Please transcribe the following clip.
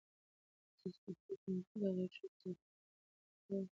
آیا تاسو په خپل کمپیوټر کې د غږیز ټایپنګ څخه کار اخلئ؟